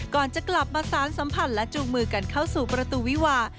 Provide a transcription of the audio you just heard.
ก่อนจะกลับมาสารสัมผัสและจูงมือกันเข้าสู่ประตูวิวา